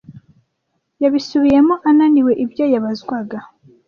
yabisubiyemo ananiwe ibyo yabazwaga